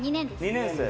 「２年生。